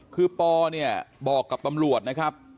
คือปอเนี่ยบอกกับตำรวจนะครับ